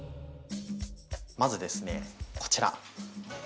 まずですねこちら。